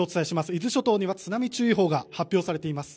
伊豆諸島には津波注意報が発表されています。